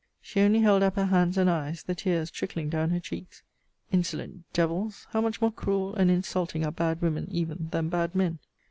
She only held up her hands and eyes; the tears trickling down her cheeks. Insolent devils! how much more cruel and insulting are bad women even than bad men!